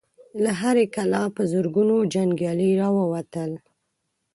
له هرې کلا په زرګونو جنګيالي را ووتل.